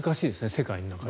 世界の中で。